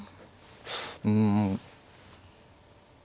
うん。